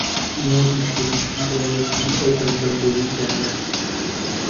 یادی سەید هیدایەتی ئەو بەندەم بۆ وی دانا